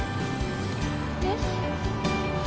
えっ？